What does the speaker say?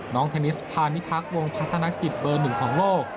น้องเทนนิสพาณิพักษ์วงพัฒนากิจเบอร์๑ของโลก